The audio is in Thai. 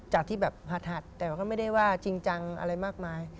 จากที่แบบหัดแต่ก็ไม่ได้ว่าจริงจังอะไรมากมาย